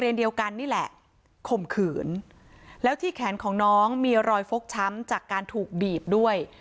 เดียวกันนี่แหละข่มขืนแล้วที่แขนของน้องมีรอยฟกช้ำจากการถูกบีบด้วย